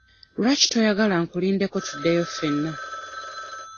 Lwaki toyagala nkulindeko tuddeyo ffenna?